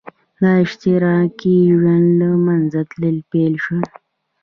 د اشتراکي ژوند له منځه تلل پیل شول.